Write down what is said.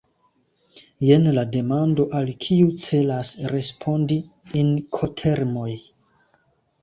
Jen la demando, al kiu celas respondi Inkotermoj.